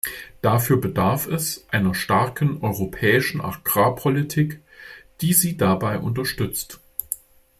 Dafür bedarf es einer starken europäischen Agrarpolitik, die sie dabei unterstützt.